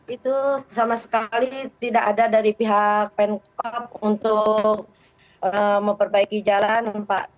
itu sama sekali tidak ada dari pihak pencap untuk memperbaiki jalan pak